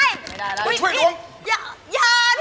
หนี่ไม่ได้แจกให้หน่อย